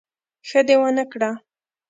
ښه دي ونکړه